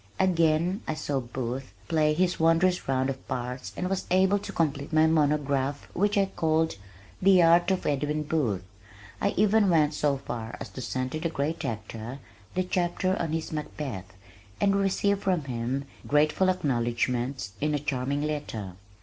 Again I saw Booth play his wondrous round of parts and was able to complete my monograph which I called The Art of Edwin Booth. I even went so far as to send to the great actor the chapter on his Macbeth and received from him grateful acknowledgments, in a charming letter.